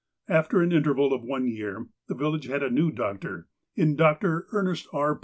After an interval of one year, the village had a new doctor, in Dr. Ernest R.